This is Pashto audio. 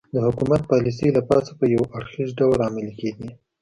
د حکومت پالیسۍ له پاسه په یو اړخیز ډول عملي کېدې